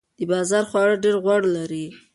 د بازار خواړه ډیر غوړ لري.